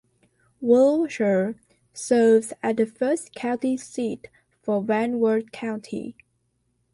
Willshire served as the first county seat for Van Wert County.